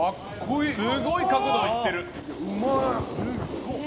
すごい角度いってる。